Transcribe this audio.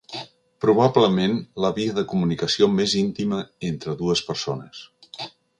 Probablement, la via de comunicació més íntima entre dues persones.